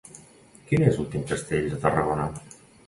Quin és l'últim castell de Tarragona?